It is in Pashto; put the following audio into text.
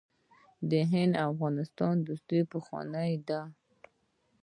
د هند او افغانستان دوستي پخوانۍ ده.